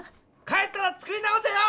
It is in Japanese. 帰ったら作り直せよ！